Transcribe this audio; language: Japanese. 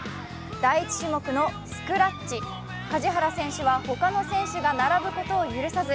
第１種目のスクラッチ、梶原選手は他の選手が並ぶことを許さず、